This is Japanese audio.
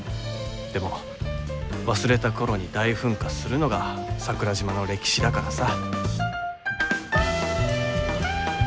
でも忘れたころに大噴火するのが桜島の歴史だからさ。